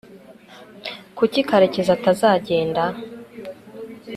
kuki karekezi atazagenda